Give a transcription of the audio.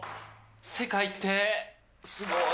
世界ってすごい。